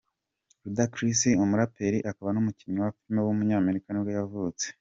Rudacriss, umuraperi akaba n’umukinnyi wa film w’umunyamerika ni bwo yavutse.